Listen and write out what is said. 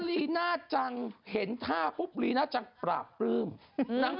นายไปนานฉันอ่านตามลีน่าจังนะครับคุณนายม้า